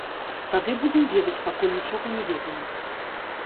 Тады будзем ведаць, пакуль нічога не ведаем.